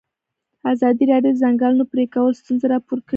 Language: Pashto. ازادي راډیو د د ځنګلونو پرېکول ستونزې راپور کړي.